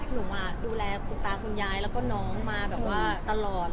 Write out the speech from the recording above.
หนูดูแลคุณตาคุณยายและน้องมาตลอด